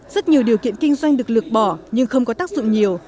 rất nhiều điều kiện kinh doanh được lược bỏ nhưng không có tác dụng nhiều